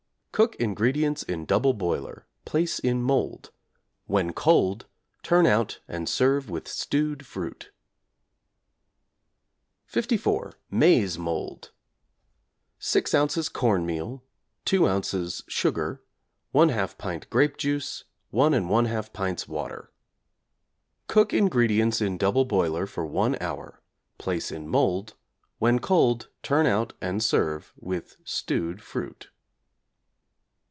Cook ingredients in double boiler, place in mould. When cold turn out and serve with stewed fruit. =54. Maize Mould= 6 ozs. corn meal, 2 ozs. sugar, 1/2 pint grape juice, 1 1/2 pints water. Cook ingredients in double boiler for 1 hour; place in mould. When cold turn out and serve with stewed fruit.